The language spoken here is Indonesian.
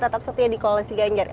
tetap setia di koalisi ganjar